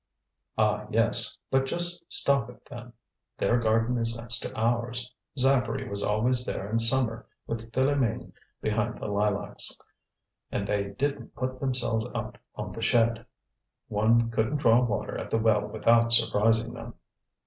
"Ah, yes! but just stop it then! Their garden is next to ours. Zacharie was always there in summer with Philoméne behind the lilacs, and they didn't put themselves out on the shed; one couldn't draw water at the well without surprising them."